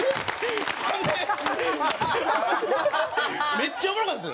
めっちゃおもろかったです。